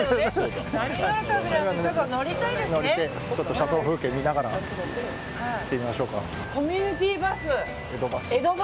車窓風景を見ながら行ってみましょうか。